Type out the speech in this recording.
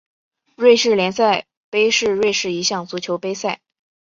瑞士联赛杯是瑞士一项足球杯赛。